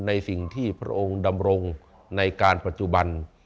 ในสิ่งที่พระองค์ดำรงในการปัจจุบัน